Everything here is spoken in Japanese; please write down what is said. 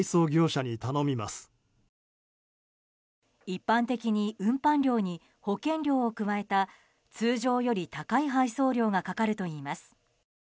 一般的に運搬料に保険料を加えた通常より高い配送料がかかるといいます。